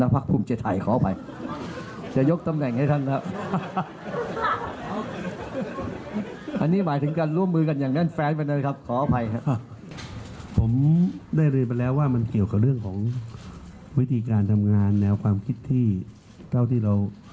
โปรดติดตามตอนต่อในหล่อ